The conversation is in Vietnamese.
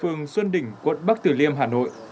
phường xuân đỉnh quận bắc tử liêm hà nội